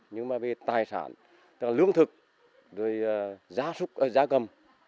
nhưng mà về tài sản tức là lương thực rồi giá cầm